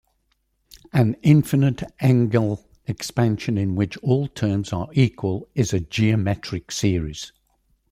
An infinite Engel expansion in which all terms are equal is a geometric series.